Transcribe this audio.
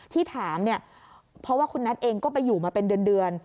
ที่ถามเนี่ยเพราะว่าคุณนัทเองก็ไปอยู่มาเป็นเดือน